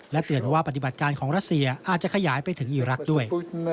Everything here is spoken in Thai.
เตือนว่าปฏิบัติการของรัสเซียอาจจะขยายไปถึงอีรักษ์ด้วย